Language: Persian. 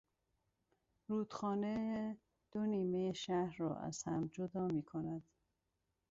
رودخانه دو نیمهی شهر را از هم جدا میکند.